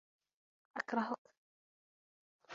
أكرهك!